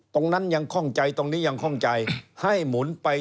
ตรงนั้นยังข้องใจตรงนี้ยังข้องใจ